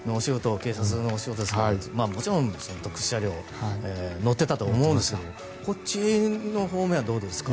警察のお仕事ですからもちろん特殊車両乗っていたと思うんですがこっちの方面はどうですか？